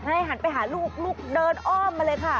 หันไปหาลูกลูกเดินอ้อมมาเลยค่ะ